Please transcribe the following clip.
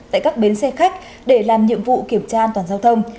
tại các bến xe khách để làm nhiệm vụ kiểm tra an toàn giao thông